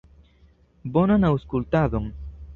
Bonan aŭskultadon!